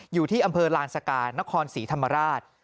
อยู่ที่อำเภอลานสกานครศรีธรรมราช